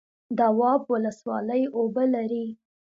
دواب ولسوالۍ اوبه لري؟